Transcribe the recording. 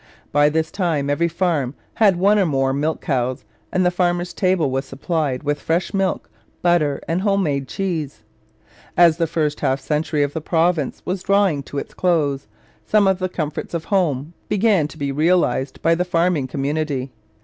By this time every farm had one or more milch cows and the farmer's table was supplied with fresh milk, butter, and home made cheese. As the first half century of the province was drawing to its close, some of the comforts of home life began to be realized by the farming community.